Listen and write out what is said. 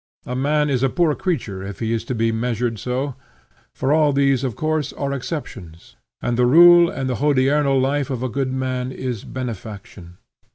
A man is a poor creature if he is to be measured so. For all these of course are exceptions, and the rule and hodiernal life of a good man is benefaction.